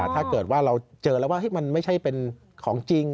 ถ้าเกิดว่าเราเจอแล้วว่ามันไม่ใช่เป็นของจริง